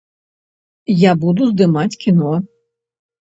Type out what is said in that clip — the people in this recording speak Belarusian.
Я буду здымаць кіно.